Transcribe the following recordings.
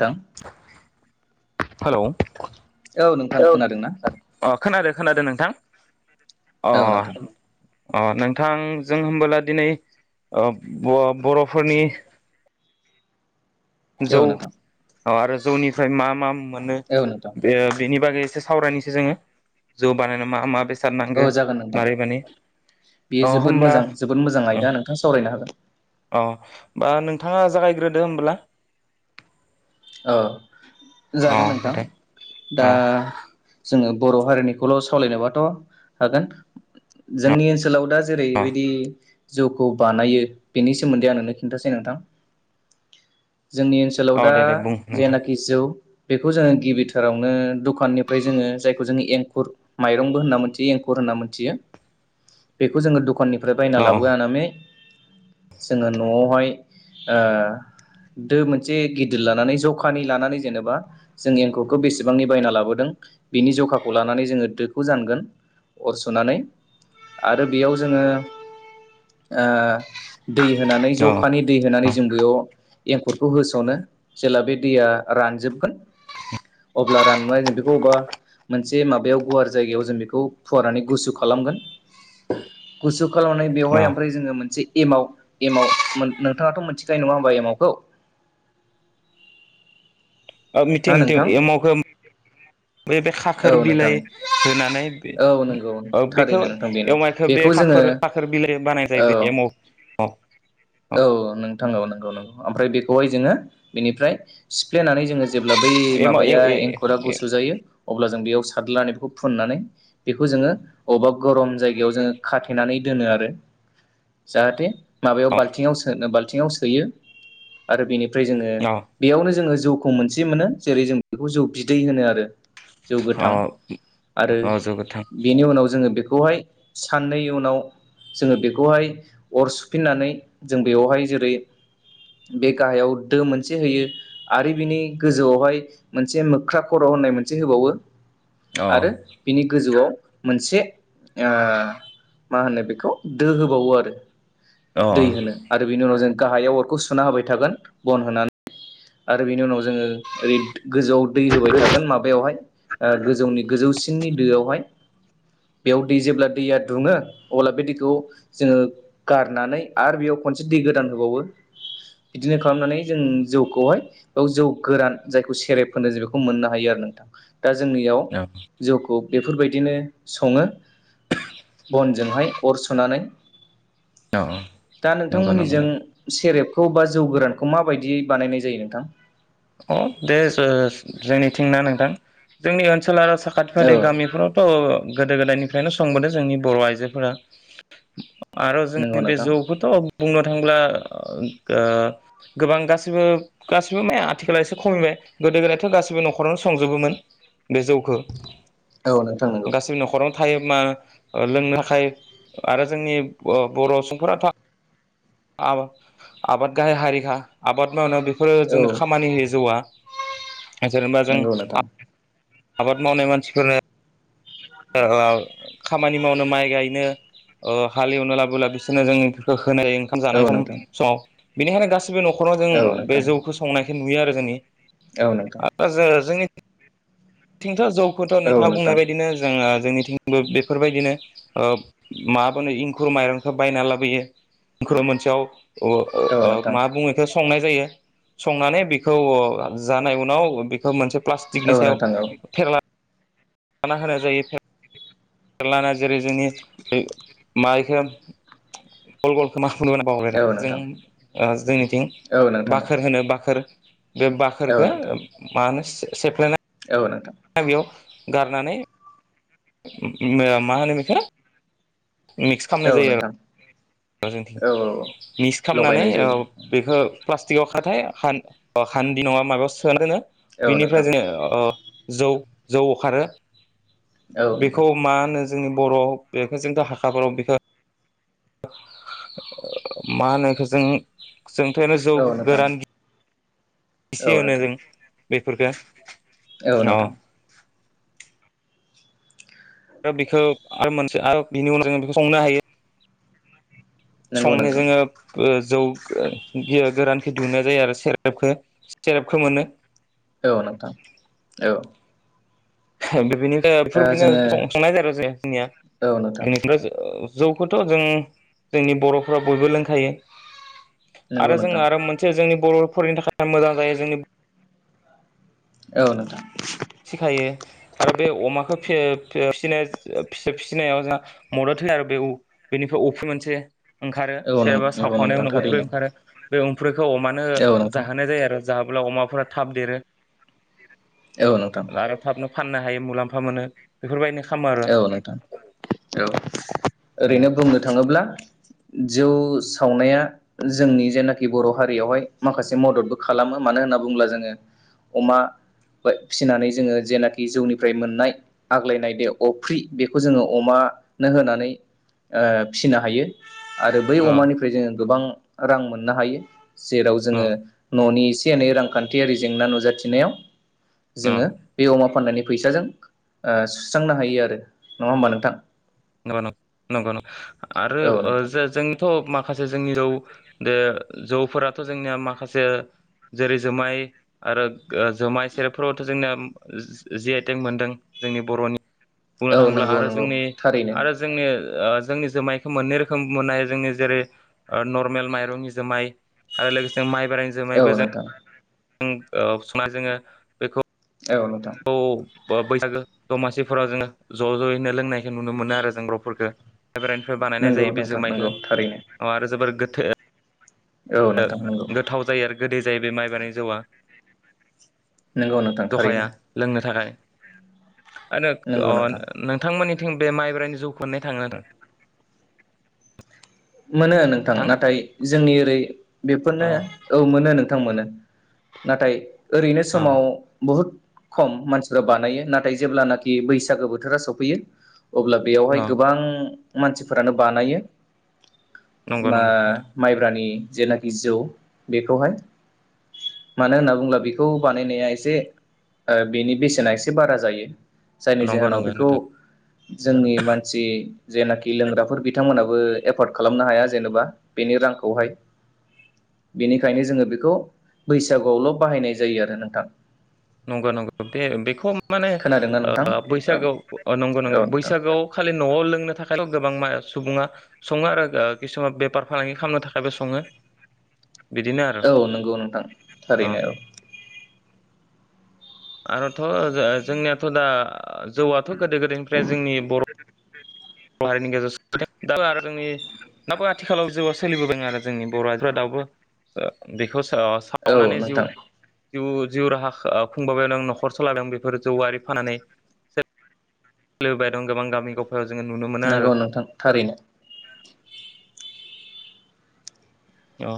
दां हेलौ औ नोंथां अ खोनादोंना खोनादों खोनादों नोंथां। अ औ नोंथां अ नोंथां जों होमबोला दिनै अ बर'फोरनि औ नोंथां। औ आरो जौनिफ्राय मा मा मोनो औ नोंथां ओ बिनि बागै एसे सावरायसै जोङो जौ बानायनायाव मा मा बे औ जागोन नोंथां अ बेयो जोबोद होमबा मोजां जोबोद मोजां अ आयदा नोंथां सावरायनो हागोन। अ बा नोंथाङा जागायग्रोदो होमबोब्ला अ जागोन नोंथां दा अ जोङो बर हारिनिखौल' सावलायनोबाथ हागोन अ जोंनि ओनसोलाव दा अ जेरैबायदि जौखौ बानायो बेनि सोमोन्दै आं नोंनो खिन्थासै नोंथां। जोंनि ओनसोलाव अ दा दे दे बुं नोंथां जेनाखि जौ बेखौ जोङो गिबिथारावनो दखाननिफ्राय जोङो जायखौ जोङो एंखुर माइरंबो होनना मोनथियो एंखुर होनना मोनथियो बेखौ जोङो दखाननि फ्राय बायना अ लाबोनानै जोङो न'आवहाय ओ दो मोनसे गिदिर लानानै जखानि लानानै जेनेबा जों एंखुरखौ बेसेबांनि बायना लाबोदों बिनि जखाखौ लानानै जोङो दोखौ जानगोन अर सुनानै आरो बेयाव जोङो ओ दै होनानै अ जखानि दै होनानै जों बेयाव एंखुरखौ होस'नो। जेला बे दैया रानजोबगोन अब्ला राननानै जों बेखौ अबेबा मोनसे माबायाव गुवार जायगायाव जों बेखौ फुवारनानै गुसु खालामगोन गुसु खालामनाय अ बेवहाय ओमफ्राय जोङो मोनसे एमाव एमाव नोंथाङाथ' मोनथिखायो नङा होमबा एमावखौ? ओ मिथिं हा मिथिं नोंथां औ एमावखौ बे खाखोर नोंथां बिलाइ होनानै बे औ नंगौ ओ बेखौ थारैनो नोंथां बेनो एवाइखौ बे बेखौ जोङो खाखोर खाखोर बिलाइ बानाय औ जायो बे एमाव औ। औ नोंथां नंगौ नंगौ आमफ्राय बेखौहाय जोङो बेनिफ्राय सिफ्लेनानै जों जेब्ला बै एम ए माबाया ए एंखुरा गुसु जायो अब्ला जों बेयाव सारलानि बेखौ फुननानै बेखौ जोङो अबेबा गरम जायगायाव जों खाथेनानै दोनो आरो जाहाथे माबायाव अ बाल बालथिंआव सोयो आरो बेनि जोङो अ बेयावनो जोङो जौ खौ मोनसे मोनो जेरै जों बेखौ जौ बिदै होनो आरो। जौ अ गोथां आरो अ जोबोद थां बेनि उनाव जोङो बेखौ बेखौहाय साननै उनाव जोङो बेखौहाय अर सुफिननानै जों बेयावहाय जेरै बे गाहायाव दो मोनसे होयो आरो बिनि गोजौआवहाय मोनसे मोख्रा खर' होननाय मोनसे होबावो। अ आरो बिनि गोजौआव मोनसे मा होनो बेखौ दो होबावो आरो। औ। दै होनो आरो उनाव जों गाहायाव अरखौ सुना होबाय थागोन बन होनानै आरो बेनि उनाव जोङो ओरै गोजौआव दै होबाय थागोन माबायावहाय। गोजौनि गोजौसिननि दोआवहाय बेयाव दै जेब्ला दैया दुङो अब्ला बे दैखौ जोङो गारनानै आरो बेयाव खनसे दै गोदान होबावो बिदिनो खालामनानै जों जौ गय औ जौ गोरान जायखौ सेरेब होनो जों बेखौ मोननो हायो आरो नोंथां। दा जोंनियाव अ जौखौ बेफोरबायदिनो सङो, बनजोंहाय अर सुनानै अ दा नंगौ नंगौ नोंथांमोननिजों सेरेब खौ बा जौ गोरानखौ माबायदियै बानायनाय जायो नोंथां? अ दे जो जोंनिथिंना नोंथां? जोंनि ओनसोल आरो साखाथि औ फाखाथि गामिफोरावथ गोदो गोदायनि बेखौनो संबोदों जोंनि बर आइजोफोरा। आरो नंगौ जोंनि बे नोंथां जौखौथ बुंनो थाङोब्ला ओ गोबां गासैबो गासैबो मा आथिखाल एसे खमिबाय गोदो गोदायथ गासैबो नखरावनो संजोबोमोन बे जौखौ। औ नोंथां नंगौ। गासैबो न'खरावनो थायो मा लोंनो थाखाय आरो जोंनि ओ बर सुबुंफोराथ आबा आबाद गाहाय हारिखा आबाद मावनायाव। फोर औ जों बे जौआ। जेनेबा जों नंगौ नोंथां आबाद मावनाय मानसिफोरनो [inaudible] खामानि मावनो माइ गायनो ओ हालेवनो लाबोना बिसोरनो जौफोरखौ होनाय ओंखाम औ जानाय सम नोंथां समाव बेनिखायनो गासै सैबो नखराव जों औ बे नोंथां जौखौ संनाय बेखो नुयो आरो जोंनि औ नोंथां आ जोङो जोंनि थिंथ' जौ खौथ औ नोंथाङा बुंनाय नोंथां बायदिनो जोङो जोंनिथिंबो बेफोरबायदिनो ओ माब ओनो इंखुर माइरंखौ बायना लाबोयो। [unintelligible] मोनसेयाव ओ औ ओ नोंथां मा बुङो बेखौ संनाय जायो संनानै बेखौ जानाय उनाव बेखौ मोनसे औ प्लास्टिकनि सायाव नोंथां औ। लाना होनाय जायो। फेरला ना जेरै जोंनि ओ माइखो गल गल खोमा खुलुमा बावबाय औ जों नोंथां ओ जोंनि थिं औ नोंथां बाखोर होनो बाखोर। बे औ बाखोरखौ नोंथां मा होनो सेफ्लेना औ नोंथां। बेयाव गारनानै मा होनो बेखो मिक्स खालामनाय औ जायो नोंथां आरो। औ औ मिक्स खालामनानै लगायनाय ओ जायो बेखो प्लास्टिकआव खाथाय हान-हान्दि नङा माबायाव सोना दोनो। औ नोंथां बिनिफ्राय जोङो अ जौ जौ अखारो। औ बेखौ नोंथां मा ओनो जोंनि बर' बेखौ जोंथ' हाखाफोराव बेखो मा होनो इखो जों सोंथायानो जौ औ नोंथां गोरान औ एसेयावनो जों बेफोरफोरखो औ नोंथां। आरो बेखौ आरो मोनसे आरो बिनि उनाव जों बेखौ संनो हायो। नंगौ संनो नोंथां जोङो। जौ गोरानख दुनाय जायो आरो सेरेपखौ सेरेपखौ मोनो। औ नोंथां औ ए बे बिनि। दा बेफोरबायदिनो जोङो सं-संनाय जादों आरो ज जोंनिया औ नोंथां जनिफ्राय। जौखौथ' जों जोंनि बर'फोरा बयबो लोंखायो। नंगौ आरो जोङो नोंथां आरो मोनसे जोंनि बर। फरायनायनि थाखाय मोजां जायो जोंनि। औ नोंथां। फिसिखायो आरो बे अमाखौ फिनाय फिसिनायाव जोंहा मदद होयो आरो बे बेनिफ्राय अफ्रि मोनसे। ओंखारो औ सेरेबा नंगौ सावखावनायनि नोंथां उनाव उफुरै थारैनो ओंखारो। बे उम्रि। खौ अमानो औ नोंथां जाहोनाय जायो आरो। जाहोयोब्ला अमाफोरा थाब देरो औ नोंथां आरो थाबनो फाननो हायो मुलाम्फा मोनो बेफोरबायदिनो खालामो आरो अ औ नोंथां औ ओरैनो बुंनो थाङोब्ला जौ सावनाया जोंनि जेनाखि बर' हारियावहाय माखासे मददबो खालामो मानो होनना बुङोब्ला जोङो अमा फिसिनानै जोङो जेनाखि जौनिफ्राय मोननाय आग्लायनायदैयाव अफ्रि बेखौ जोङो अमानो होनानै फिनो हायो आरो बै अमानिफ्राय जोङो गोबां रां मोननो हायो जेराव अ जोङो न'निइस रांखान्थियारि जेंना नुजाथिनायाव अ अ जोङो बे अमा फाननानै फैसाजों सुस्रांनो हायो आरो नङा होमबा नोंथां नंग-न नंगौ-न आरो औ नोंथां जोंथ' माखा जोंनि जौ दे जौफोराथ' जोंनिया माखासे जेरै जुमाय आरो जुमाय सेरेबफोरावथ' जोंनिया जि आइटेंग मोनदों जोंनि बर'नि बुंनो औ थाङोब्ला नंगौ आरो नंगौ जोंनि थार आरो जोंनि जोंनि जुमायखौ मोननै रोखोम मोननो हानाय जोंनि जेरै नर्मेल माइरंनि जुमाय आरो लोगोसे माइ औ नोंथां जों औ संना जोङो बेखौ औ नोंथां खौ बैसागो दमासिफोराव जोङो ज' ज'यैनो लोंनायखौ नुनो मोनो आरो जों बर 'फोरखौ मायब्रानिफ्राय बानायनाय नंगौ जायो बे नोंथां जुमायखौ नंगौ थारैनो अ आरो जोबोर गोथ थो औ नोंथां नंगौ गोथाव जायो आरोखि गोदै जायोै बे माइब्रानि जौआ नंगौ नोंथां थारैनो जखाया लोंनो थाखाय आरो अ नंगौ नोंथां नोंथांमोननि थिं बे माइब्रानि जौ मोनो थाङोदा मोनो नोंथां नाथाय जोंनि ओरै बेफोरनो अ औ मोनो नोंथां थांमोनो नाथाय ओरैनो समाव अ बहुद खम मानसिफ्रा बानायो नाथाय जेब्लानाखि बैसागो बोथोरा सफैयो अब्ला बेयावहाय गोबां मानसिफोरानो बानायो नंगौ मा नंगौ नोंथां माइब्रानि जेनाखि जौ बेखौहाय मानो होनना बुङोब्ला बेखौ बानायनाया एसे अ बेनि बेसेना एसे बारा जायो जायनि नंगौ जाहोनाव नंगौ बेखौ नोंथां जोंनि मानसि जेनाखि लोंग्राफोर बिथांमोनाबो एफर्ड खालामनो हाया जेनेबा बेनि रांखौहाय बेनिखायनो जोङो बेखौ बैसागुआवल' बाहायनाय जायो आरो नोंथां नंगौ नंगौ बे बेखौ माने खोनादोंना नोंथां बैसागोआव नंगौ औ नंगौ नोंथां बैसागोआव खालि न'आव लोङो नो थाखायल' गोबां सुबुङा सङो आरो किसुमान बेफार फालांगि खालामनो थाखायबो सङो बिदिनो आरो औ नंगौ नोंथां अ थारैनो औ आरोथ' जोंनियाथ' दा जौआथ' गोदो गोदायनिफ्राय जोंनि बर' बर हारिनि गेजेराव सदों दो आरो जोंनि दाबो आथिखालाव जउआव सोलिबोदों आरो जोंनि बर' हारिफ्रा दाबो बेखौ अ औ सावनानै जिउ नोंथां जिउ जिउ राहा आ खुंबोबाय दं न'खर सलादों बेफोर जौआरि फानानै सोलिबोबाय दं गोबां गामिगफ नंगौ नोंथां थारैनो औ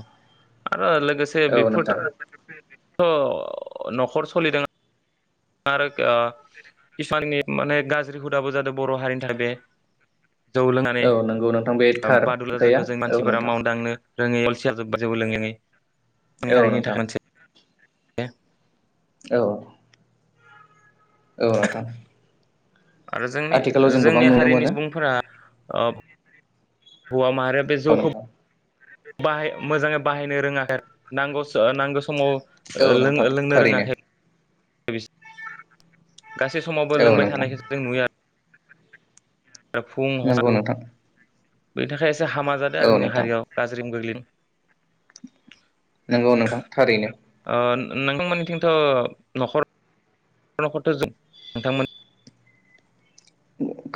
आ लोगोसे औ नोंथां बिफोरथ अ न'खर सोलिदों आरो आ किसुमाननि माने गाज्रि हुदाबो जादों बर' हारिनि थाखाय बे जौ लोंनानै औ नंगौ नोंथां बे थार खोथाया औ नोंथां लोङै अलसिया जोब्बा जेबो लोङिनि गावनि औ हारिनि नोंथां थाखायसे ए औ औ नोंथां आरो जोंनि आथिखालाव जों गोबां जोंनि नुनो हारिनि मोनो सुबुंफोरा आ होवा मार बे औ जौखो नोंथां बाहाय मोजाङै बाहायनो रोङाखै नांगौ नांगौ समाव औ लो नोंथां लोंनो थारैनो रोङाखै [unintelligible] गासै समावबो औ लोंबाय नोंथां थानायखौसो जों नुयो आरो फुं नंगौ हरखौ नोंथां बेनि थाखाय एसे हामा जादों औ आरोनि नोंथां हारियाव गाज्रि गोग्लैदों नंगौ नोंथां थारैनो नोंथांमोननिथिं थ' न'खर नखरथ' जों नोंथांमोन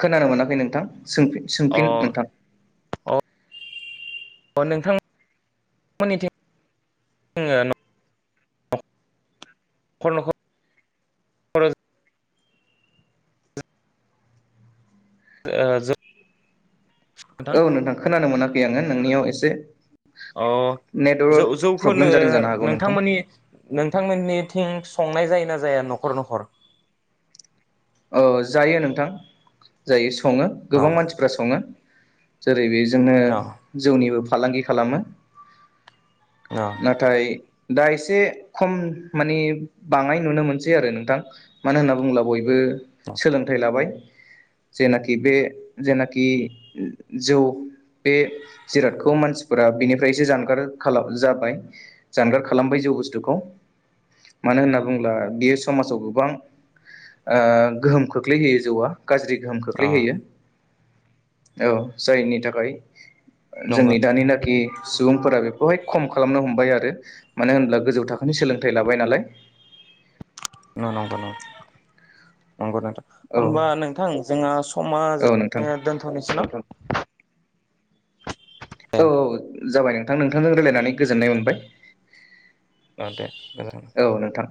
खोनानो मोनाखै नोंथां सोंफिन अ सोंफिन नोंथां अ नोंथांमोननिथिंङो नखर'नखर खर' ओ जो औ नोंथां खोनानो मोना यै आङो नोंनियाव एसे अ जौ नेटवर्क जौखौ प्रब्लेम ओ जादों जानो हागौ नोंथां नोंथांमोननि नोंथांमोननि थिंक्स संनाय जायो ना जाया न'खर न'खर औ जायो नोंथां जायो संङो अ गोबां मानसिफ्रा संङो जारै बे जोंनो अ जोंनिबो फालांगि खालामो अ नाथाय दा एसे खम माने बांङाय नुनो मोनसै आरो नोंथां मानो होनना बुङोब्ला बयबो सोलोंथाइ लाबाय जेनाखि बे जेनाखि जौ बे जिरादखौ मानसिफोरा बेनिफ्रायसो जानगार जाबाय जानगार खालामबाय जौ बुस्थुखौ मानो होनना बुङोब्ला बेयो समाजाव गोबां ओ गोहोम खोख्लैहोयो जौआ गाज्रि गोहोम अ खोख्लैहैयो औ जायनि थाखाय नंगौ जोंनि दानिनाखि सुबुंफोरा बेखौहाय खम खालामनो हमबाय आरो मानो होनब्ला गोजौ थाखोनि सोलोंथाइ लाबाय नालाय नंगौ नंगौ नंगौ नोंथां औ होमबा नोंथां जोंहा समा औ नोंथां दोनथ'नोसै ना औ औ औ जाबाय नोंथां नोंथांजों रायलायनानै गोजोननाय मोनबाय। अ दे मोजां औ नोंथां